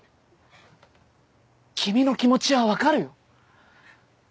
君の気持ちは分かるよ。